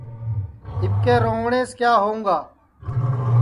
اِٻکے رووَٹؔینٚس کِیا ہوؤں گا